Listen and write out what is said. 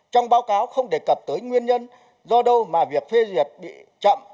trong báo cáo không đề cập tới nguyên nhân do đâu mà việc phê duyệt bị chậm